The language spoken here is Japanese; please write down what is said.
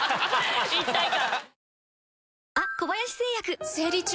一体感。